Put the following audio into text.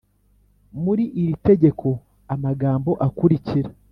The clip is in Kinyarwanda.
Muri iri tegeko amagambo akurikira